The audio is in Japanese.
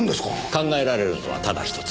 考えられるのはただ一つ。